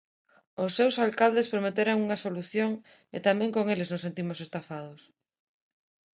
Os seus alcaldes prometeran unha solución e tamén con eles nos sentimos estafados.